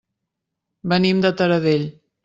Venim de Taradell.